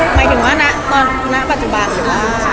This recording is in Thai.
หมายถึงว่าณปัจจุบันหรือว่า